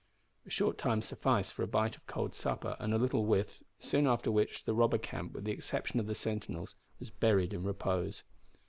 A short time sufficed for a bite of cold supper and a little whiff, soon after which the robber camp, with the exception of the sentinels, was buried in repose.